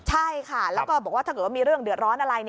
ใช่ค่ะแล้วก็บอกว่าถ้าเกิดว่ามีเรื่องเดือดร้อนอะไร